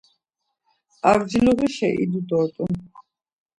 Avciluğişa idu dort̆un.